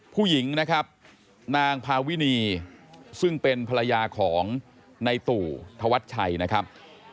ผู้หญิงนะครับนางพาวินีซึ่งเป็นภรรยาของในตู่ธวัชชัยนะครับ